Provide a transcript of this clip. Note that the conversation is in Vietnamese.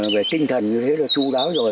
về tinh thần như thế là chú đáo rồi